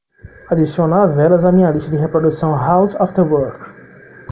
Adicionar velas à minha lista de reprodução House After Work.